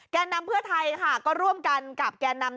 แก่นำเพื่อไทยค่ะก็ร่วมกันกับแก่นำ